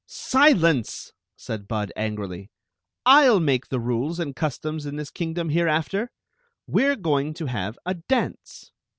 "Silence!" said Bud, angrily. "/ 7/ make the rules and customs in this kingdom hereafter. We re going to have a dance."